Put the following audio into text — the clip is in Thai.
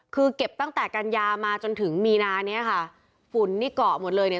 คือเก็บตั้งแต่กันยามาจนถึงมีนาเนี้ยค่ะฝุ่นนี่เกาะหมดเลยเนี่ย